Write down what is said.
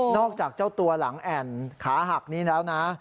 อกจากเจ้าตัวหลังแอ่นขาหักนี้แล้วนะ